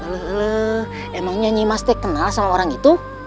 leluh emangnya nimas terkenal sama orang itu